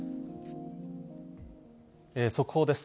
速報です。